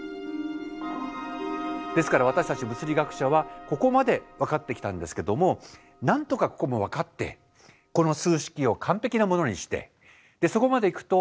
ですから私たち物理学者はここまで分かってきたんですけどもなんとかここも分かってこの数式を完璧なものにしてそこまで行くと